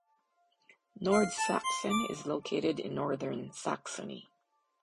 Nordsachsen is located in northern Saxony.